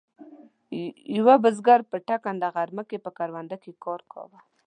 یوه بزګر په ټکنده غرمه کې په کرونده کې کار کاوه.